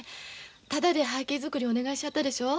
タダで背景作りお願いしちゃったでしょう。